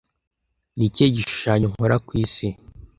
ni ikihe gishushanyo nkora ku isi